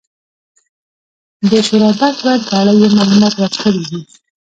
د شورابک بند په اړه یې معلومات راکړي دي.